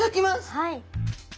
はい。